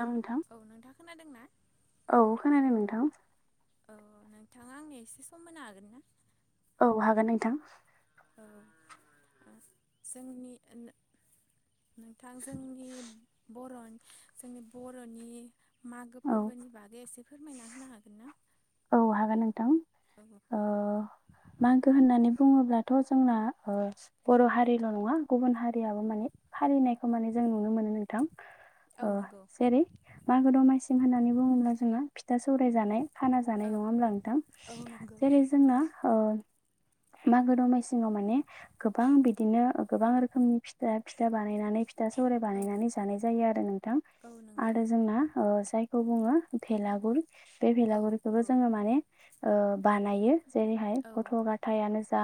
ना नोंथां औ नोंथाङा खोनादोंना औ खोनादों नोंथां। औ नोंथाङा आंनि एसे सम मोनो हागोन ना? औ हागोन नोंथां। औ जोंनि नोंथां जोंनि बर' जोंनि बर'नि मागो औ फोरबोनि बागै एसे फोरमायना होनो हागोन ना? औ हागोन नोंथां औ मागो होननानै बुङोब्लाथ' जोंना बर' हारिल' नङा गुबुन हारियाबो माने फालिनायखौ माने जों खोब जों नुनो मोनो नोंथां। औ नंगौ जेरै मागो दमासि होननानै बुङोब्ला जोङो फिथा सौराय जानाय खाना जानाय औ नङा होमब्ला नोंथां औ नंगौ जेरै जोंना ओ मागो दमासियाव माने गोबां बिदिनो गोबां रोखोमनि फिथा फिथा बानायनानै फिथा सौराय औ बानायनानै जानाय जायो आरो नोंथां औ नंगौ आरो जोंना ओ जाय बेखौ बुङो भेलागुर बे औ भेलागुरखौबो औ जोङो माने ओ बानायो। जेरैहाय औ गथ' गथाइयानो जा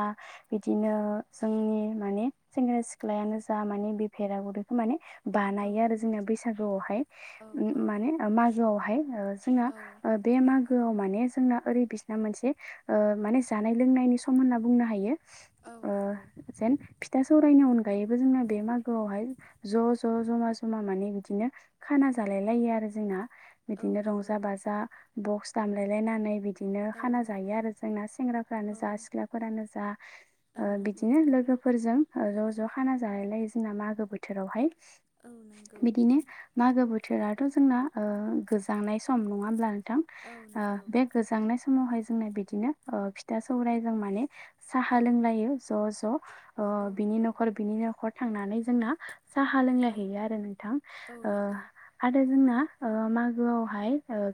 औ बिदिनो जोंनि माने सेंग्रा सिख्लायानो जा माने बे भेलागुरखौ माने बानायो आरो जोंनि बैसागु आवहाय औ माने औ मागोआवहाय जोङो औ आव माने जोंना ओरै बिसिना मोनसे माने जानाय लोंनायनि सम होन्ना बुंनो हायो। औ ओ नंगौ जेन फिथा सौराइनि अनगा गायैबो जोंना बे मागोआवहाय ज' ज' जमा जमा माने बिदिनो खाना जालाय लायो आरो जोंना औ बिदिनो नंगौ रंजा बाजा बक्स दामलायलायनानै बिदि बिदिनो औ खाना जायो आरो जोंना सेंग्राफोरानो औ जा सिख्लाफोरानो जा औ नंगौ बिदिनो नोंथां लोगोफोर फोरजों ज' ज' खाना जालायलायो जोंना मागो बोथोरावहाय औ नंगौ बिदिनो मागो बोथोर बोथोराथ' जोंना गोजांनाय सम नङाब्ला औ ओ नंगौ बे गोजांनाय समावहाय जों जोंना बिदिनो फिथा सौराइ जों माने साहा औ लोंलायो ज' ज' औ बिनि नंगौ न'खर बिनि न'खर थांनानै जोंना साहा औ लोंलायहैयो आरो नोंथां औ ओ नंगौ आरो जोंना ओ मागोआवहाय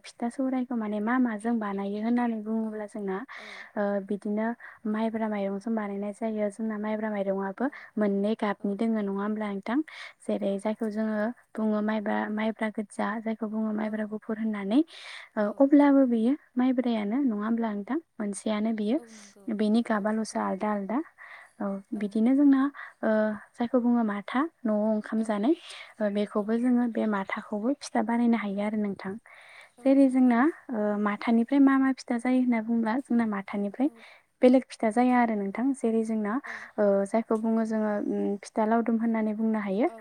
फिथा सौराइखौ माने मा माजों बानायो? होननानै औ बुङोब्ला जोंना औ ओ बिदिनो माइब्रा माइरंजों बानायनाय जायो जोंना माइब्रा माइरं आबो औ मोननै औ गाबनि दोङो नङा होमब्ला नोंथां औ जेरै जायखौ जोङो बुङो माइब्रा माइब्रा गोजा जायखौ बुङो औ माइब्रा गुफुर होननानै औ ओ अब्लाबो बियो माइ बोराइयानो नङा होमब्ला नोंथां मोनसे ओमफाय आरो बियो औ नंगौ बेनि औ गाबाल'सो नंगौ आलदा आलदा औ बिदिनो जोंना जायखौ बुङो माथा। नआव ओंखाम औ जानाय औ बेखौबो नंगौ जोङो बे माथाखौबो फिथा बानायनो हायो आरो नोंथां। औ जेरै नंगौ जोंना ओ माथानिफ्राय मा मा फिथा जायो होनना बुङोब्ला जोंना औ माथानिफ्राय बेलेग फिथा फिथा जाया आरो नोंथां जेरै जोंना औ जायखौ बुङो जोङो फिथा लावदुम होननानै बुंनो हायो औ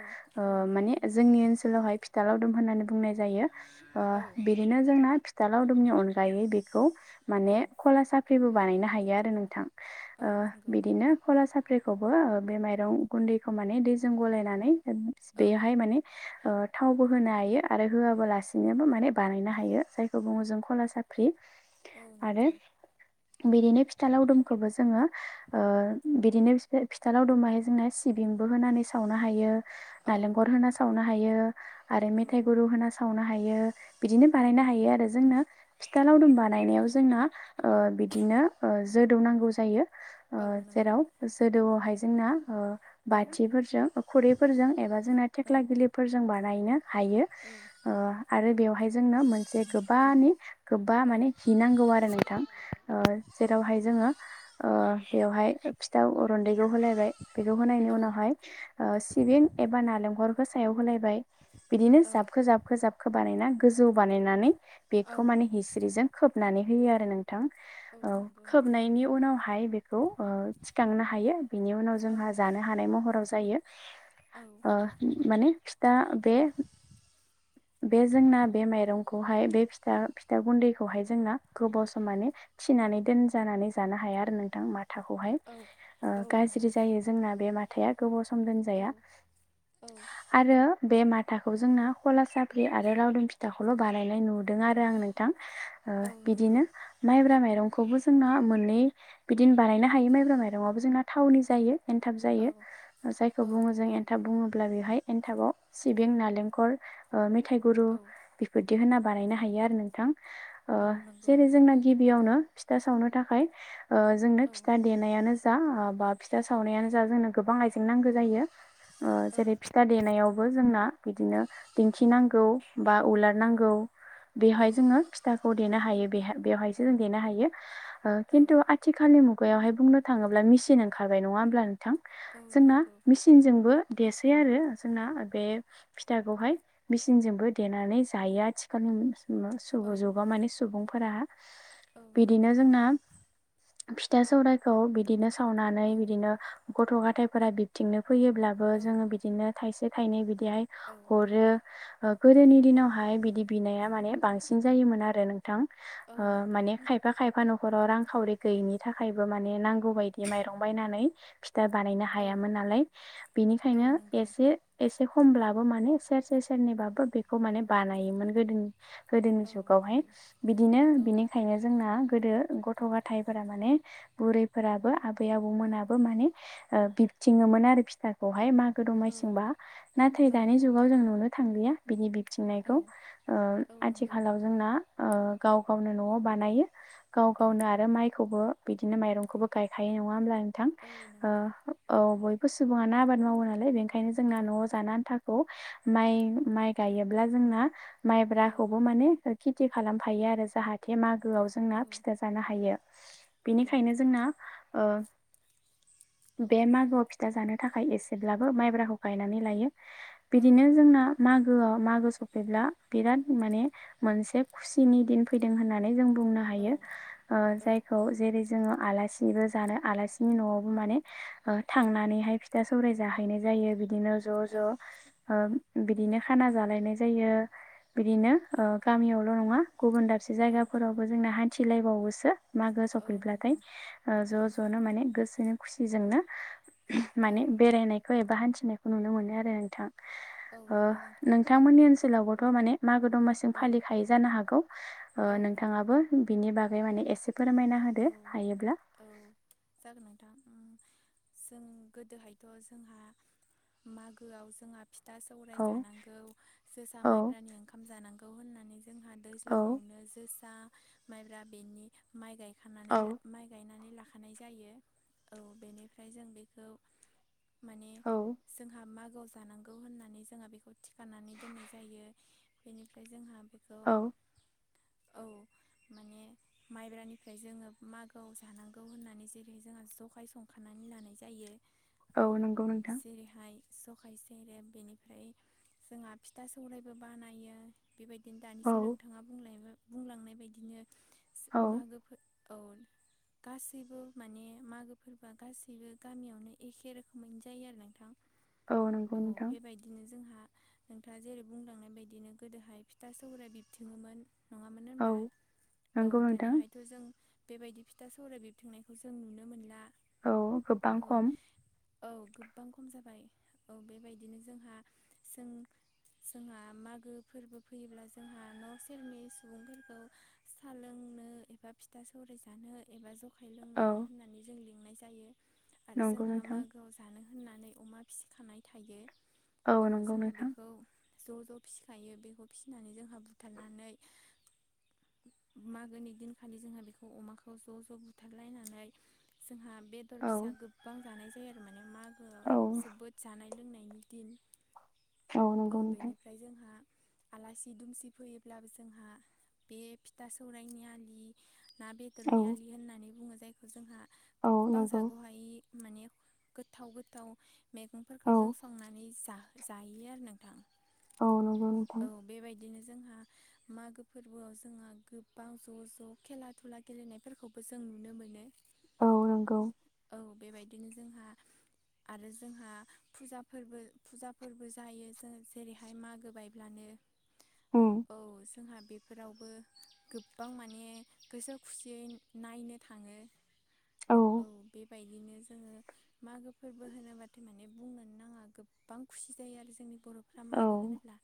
औ नंगौ माने नोंथां जोंनि ओनसोलावहाय फिथाालावदुम होननानै बुंनाय जायो औ बिदिनो जोंना फिथा लावदुमनि अनगायै बेखौ औ माने खला साफ्रिबो बानायनो हायो आरो नोंथां औ नंगौ बिदिनो खला साफ्रि खौबो बे माइरं गुन्दैखौ माने दैजों गलायनानै औ बेहाय माने थावबो होनो हायो आरो होआबालासिनोबो माने बानायनो हायो। जाय सुबुंजों खला साफ्रि औ आरो नंगौ बिदिनो फिथा लावदुमखौबो जोङो ओ बिदिनो फिथालाव दंबाहाय जोंना सिबिंबो होनानै सावनो हायो। औ नालेंखर होना सावनो हायो आरो औ मेथाइ गुरु होना सावनो हायो। बिदिनो बानायनो हायो आरो। जोंनो फिथा लावदुम बानायनायाव जोंना बिदिनो जोदौनांगौ जायो। औ नंगौ जेराव जोदोआवहाय जेंना औ बाथिफोरजों खुरैफोरजों एबा जोंना थेख्ला गिलिरफोरजों बानायनो हायो आरो बेवहाय जोंनो मोनसे गोबानि गोबा माने हि नांगौ आरो नोंथां जेरावहाय जोङो बेवहाय सिथाव आव रन्दैखौ होलायबाय बेखौ होनायनि उनावहाय सिबिं एबा नालेंखर सायाव होलायबाय बिदिनो औ जाबखो जाबखो जाबखो बानायना गोजौ बानायनानै औ बेखौ माने हिस्रिजों खोबनानै होयो आरो औ नों नंगौ नोंथां खोबनायनि उनावहाय बेखौ थिखांनो हायो बिनि उनाव औ जोंहा जानो हानाय महराव जायो औ औ माने फिथा बे बे जोंना बे माइरंखौहाय बे फिथा फिथा गुन्दैखौहाय जोंना गोबाव सम माने फिनानै दोनजानानै जानो हाया आरो नोंथां माथो थाखौ हाय ओ गाज्रि नंगौ जायो जोंना बे माथा औ औ आरो बे माथाखौ जोंना आरो लावदुम फिथाखौल बानायनाय नुदों आरो आं नोंथां औ नंगौ बिदिनो माइब्रा माइरं खौबो जोंना मोननै बिदिनो बानायनो हायो माइब्रा माइरंवावबो जोंना थावनि जायो। एनथाब जायो औ जायखौ औ बुङो जों औ एनथाब बुङोब्ला बेवहाय एन्थाबाव सिबिं नालेंखल मेथाइ गुरु औ बेफोर बि होनना बानायनो हायो नोंथां औ नंगौ जेरै नोंथां जों गिबियावनो फिथा सावनो थाखाय जोंनो औ फिथा देनायानो जा बा फिथा सावनायानो जा जोंनो गोबां आइजें नांगौ जायो। औ जेरै फिथा देनायावबो जोंना बिदिनो दिखिनांगौ बा औ उलारनांगौ औ बेवहाय जोङो फिथाखौ बेवहाय देनो हायो ओ खिनथु आथिखालनि मुगायाव खुगायावहाय बुंनो थाङोब्ला मिसिन ओंखारबाय नङा होमब्ला नोंथां औ जोंना नंगौ मिसिनजोंबो देसै आरो जोंना बे फिथाखौहाय मेसिनजोंबो देनानै जायो औ आथिखालनि जबा माने सुबुंफोरा औ नंगौ बिदिनो जोंना फिथा सौरायाइखौ बिदिनो सावनानै औ बिदिनो गथ' गथायफोरा बिबथिंनो फैयोब्लाबो औ जोङो बिदिनो थाइसे थाइनै बिदिहाय औ हरो गोदोनि दिनावहाय बिदि बिनाया माने बांसिन जायोमोन आरो नों थां औ ओ नंगौ माने खायफा खायफा नख राव रांखावरि गैयिनि थाखायबो मान नांगौ बायदि माइरं बायनानै बानायनो औ हायामोन नालाय औ बेनिखायनो नंगौ एसे एसे खमब्लाबो माने सेर से सेरनैबाबो बेखौ माने बानायोमोन गोदोनि गोदोनि औ जुगावहाय नंगौ बिदिनो औ बिनिखायनो जोंना गोदो गथ' गाथाइफोरा माने बुरैफोराबो आबै औ आबौमोनाबो माने ओ बिबथिङोमोन आरो फिथाखौहाय मागो दमायसिंबा नाथाय दानि औ जुगाव जों नुनो थांलिया बिनि बिबथिंनायखौ ओ औ नंगौ आथिखालाव जोंना ओ गाव गावनो न'आव बानायो गाव औ गावनो आरो माइखौबो बिदिनो माइरंखौबो गायखायो नङा होमब्ला नोंथां औ ओ नंगौ औ बय बो सुबुङा आबाद मावो नालाय बेनिखायनो औ जोंना न'आव जानो आन्थाखौ माइ माइ गायोब्ला जोंना माइब्राखौबो माने खेथि खालामफायो आरो जाहाथे मा गोआव औ जोंना फिथा जानो हायो बेनिखायनो जोंना ओ बे मागोआव फिथा जानो थाखाय एसेब्लाबो माइब्राखौ गायनानै लायो बिदिनो औ जोंना मागोआव मागो सफैब्ला बिराद माने मोनसे खुसिनि दिन फैदों होननानै जों बुंनो औ हायो ओ जायखौ जेरै जोङो आलासिबो जा नो आलासिनि न'आवबो माने ओ थांनानैहाय फिथा सौराय जाहैनाय जायो बिदिनो औ ज' ज' नंगौ ओ बिदिनो खाना जालायनाय जायो बिदिनो औ गामियावल' नङा गुबुन दाब से जायगाफोरावबो जोंना हान्थिलायबावोसो मागो सफैब्लाथाय ओ ज' ज'नो माने गोसोनि खुसिजोंनो माने औ बेरायनायखौ एबा हान्थिनायखौ नुनो मोनो आरो नोंथां औ ओ नंगौ नोंथां नोंथांमोननि ओनसोलावबोथ' माने मागो दमासि औ फालिखायै जानो हागौ औ नंगौ नोंथाङाबो बिनि बागै माने एसे फोरमायना होदो औ हायोब्ला औ जागोन नोंथां जों गोदोहायथ' जोंहा मागोआव जोंहा फिथा सौराय औ जानांगौ जोसा औ माइब्रानि ओंखाम जानांगौ होननानै जोंहा औ दैज्लांआवनो जोसा माइब्रा बेनि माइ गाय खानानै ला औ माइ गायनानै लाखानाय जायो औ बेनिफ्राय जों बेखौ माने औ जोंहा मा गोआव जानांगौ होननानै जोंहा बेखौ थिखानानै दोननाय जायो बेनिफ्राय जोंहा बेखौ औ औ माने माइब्रानि ओमफ्राय जोङो मागोआव जानांगौ होननानै जेरैहाय जोंहा जखाय संखानानै लानाय जायो औ नंगौ नोंथां जेरैहाय जखाय सेरेब बेनिफ्राय जोंहा फिथा सौरायबो बानायो बेबायदि बिदिनो दानिसो औ नोंथाङा बुंलाय बुंलांनाय बायदिनो औ मागोफोर औ गासैबो माने मागो फोरबोआ गासैबो गामियावनो एखे रोखोमैनो जायो आरो नोंथां नंगौ औ नोंथां बेबायदिनो जोंहा नोंथाङा जेरै बुंलांनाय बायदिनो गोदोहाय फिथा सौराय बिबथिङोमोन नङामोन औ नंगौ नोंथां दाथ' जों बेबायदि फिथा सौराय बिबथिंनायखौ जों नुनो मोनला औ गोबां औ खम औ गोबां खम जाबाय औ बेबायदिनो जोंहा जों जोंहा मागो फोरबो फैयोब्ला जोंहा न' सेरनि सुबुंफोरखौ सा लों नो एबा फिथा सौराय जानो एबा ज' औ लिंनाय जायो आरो नंगौ जोंहा नोंथां मागोआव जानो होननानै अमा फिसिखानाय थायो। औ नंगौ जोंहा नोंथां बेखौ ज' ज' फिसिखायो बेखौ फिसिनानै जोंहा बुथारनानै मागोनि दिन खालि जोंहा बेखौ अमाखौ ज' ज' बुथारलायनानै जोंहा बेदर औ फिसा गोबां जानाय जायो आरो माने मागोआव औ जोबोद जानाय लोंनायनि दिन औ नंगौ नोंथां बेनिफ्राय जोंहा आलासि दुमसि फैयोब्लाबो जोंहा बे फिथा सौरायनि आलि ना औ बेदरनि आलि होननानै बुङो जायखौ जोंहा औ गोबां नंगौ जागु हायै माने गोथाव गोथाव औ मैगंफोरखौ जों संनानै जा जायो आरो नों औ नंगौ नोंथां औ बेबाय दिनो जोंहा मागो फोरबोआव जोंहा गोबां ज' ज' खेला दुला गेलेनायफोरखौबो जों नुनो मोनो। औ नोंगौ औ बेबायदिनो जोंहा आरो जोंहा फुजाफोरबो फुजाफोरबो जायो। जों जेरैहाय मागो बायब्लानो उम औ जोंहा बेफोरावबो गोबां माने गोसो खुसियै नायनो थाङो। औ बे बेबायदिनो जोङो मागो फोरबो होनोब्लाथाय माने बुंनो नाङा गोबां खुसि जायो आरो जोंनि बर'फ्रा औ मागो होनोब्ला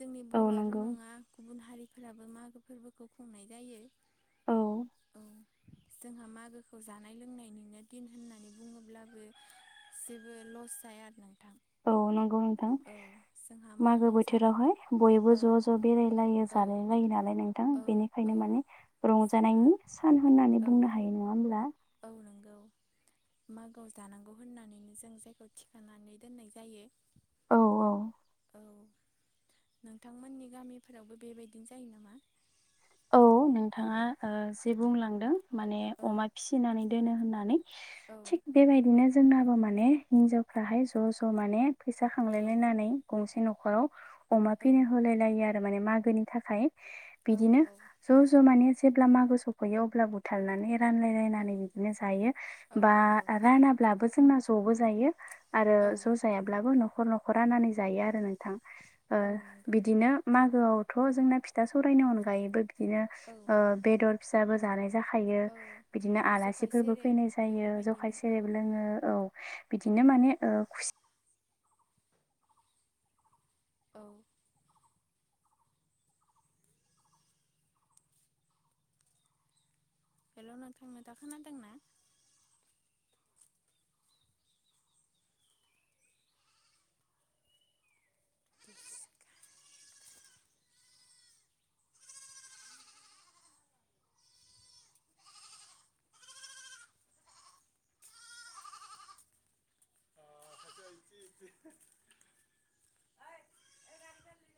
जोंनि औ बर'आ र' नंगौ नङा गुबुन हा रिफोराबो मागो फोरबोखौ खुंनाय जायो। औ औ जोंहा मागोखौ जानाय लोंनायनिनो दिन होननानै बुङोब्लाबो जेबो लस जाया आरो ना औ नंगौ नोंथां जोंहा मागो मागोआव जानांगौ बोथोरावहाय बयबो औ ज' ज' बेरायलायो औ जालाय लायो नालाय नोंथां। औ औ बेनिखायनो माने जोंहा रंजानायनि सान होननानै औ बुंनो हायो नङा होमब्ला? औ नंगौ मागोआव जानांगौ होननानैनो जों जायखौ थिखानानै दोननाय जायो। औ औ औ नोंथांमोननि गामिफोरावबो बेबायदिनो जायो नामा? औ औ नोंथाङा ओ जे बुंलांदों माने औ अमा फिसिनानै दोनो होननानै औ थिग बेबायदिनो जोंनाबो माने हिनजावफ्राहाय ज' ज' माने फैसा औ खांलायलायनानै गंसे न'खराव अमा औ फिनो होलाय लायो आरो माने मागोनि थाखाय औ बिदिनो औ ज ज' मामे जेब्ला मागो सफैयो अब्ला बुथारनानै औ रानलायलायनानै बिदिनो जायो औ बा नंगौ रानाब्लाबो जोंना ज'बो जायो। आरो औ ज' जायाब्लाबो न'खर न'खरानानै जायो आरो नोंथां। औ नंगौ बिदिनो मागोआवथ' जोंना फिथा सौरायनि अनगायैबो बिदिनो औ ओ बेदर फिसाबो जानाय जाखायो औ बिदिनो जखाय आलासिफोरबो सेरेब फैनाय जायो जखाय बेफोरबायदिनो औ सेरेब लोङो औ। बिदिनो माने ओ खुसि औ हेल' नोंथां नेदा खोनादोंना?